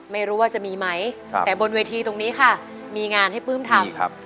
ไม่รู้ว่าจะมีไหมแต่บนเวทีตรงนี้ค่ะมีงานให้ปลื้มทำ